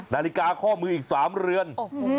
นาฬิกาข้อมืออีก๓เรือน